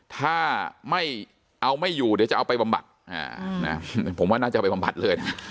ถ้าไม่เอาไม่อยู่เดี๋ยวจะเอาไปบำบัดผมว่าน่าจะเอาไปบำบัดเลยนะ